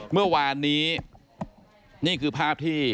ตอนนี้นี่คือภาพที่